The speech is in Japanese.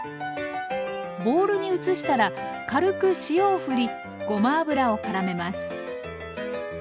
ボウルに移したら軽く塩をふりごま油をからめます。